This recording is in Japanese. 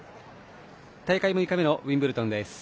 大会６日目のウィンブルドンです。